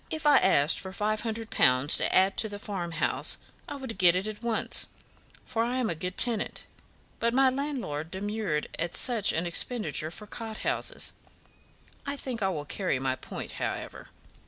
If I asked for five hundred pounds to add to the farmhouse, I would get it at once, for I am a good tenant; but my landlord demurred at such an expenditure for cot houses. I think I will carry my point, however."